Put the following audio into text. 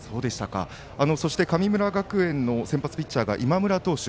そして、神村学園の先発ピッチャーが今村投手。